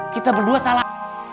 kita berdua salah